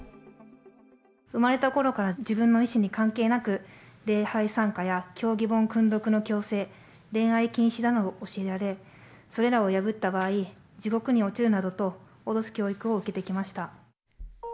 生まれたころから自分の意思に関係なく、礼拝参加や教義本訓読の強制、恋愛禁止などを教えられ、それらを破った場合、地獄に落ちるなどと脅す教育を受けてきました。